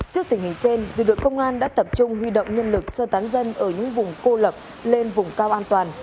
trước tình hình trên lực lượng công an đã tập trung huy động nhân lực sơ tán dân ở những vùng cô lập lên vùng cao an toàn